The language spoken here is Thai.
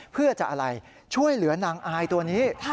เพื่อจะอะไรช่วยเหลือนางอายตัวนี้